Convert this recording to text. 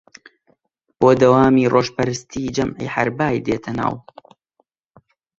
بۆ دەوامی ڕۆژپەرستی جەمعی حەربای دێتە ناو